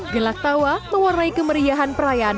gelak tawa mewarnai kemeriahan perayaan